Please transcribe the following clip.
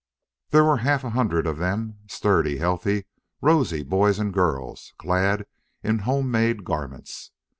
There were half a hundred of them, sturdy, healthy, rosy boys and girls, clad in home made garments.